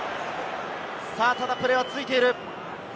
ただ、プレーは続いている！